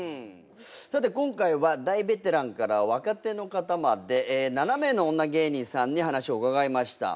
さて今回は大ベテランから若手の方まで７名の女芸人さんに話を伺いました。